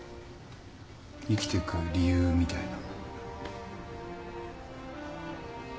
生きてく理由みたいな。